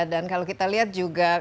dan kalau kita lihat juga